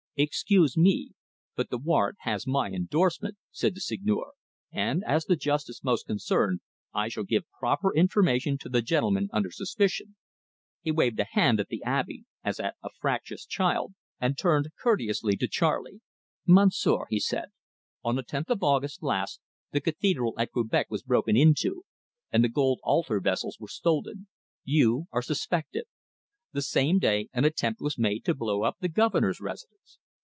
"Excuse me, but the warrant has my endorsement," said the Seigneur, "and, as the justice most concerned, I shall give proper information to the gentleman under suspicion." He waved a hand at the Abbe, as at a fractious child, and turned courteously to Charley. "Monsieur," he said, "on the tenth of August last the cathedral at Quebec was broken into, and the gold altar vessels were stolen. You are suspected. The same day an attempt was made to blow up the Governor's residence.